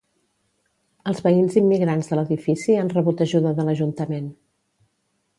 Els veïns immigrants de l'edifici han rebut ajuda de l'Ajuntament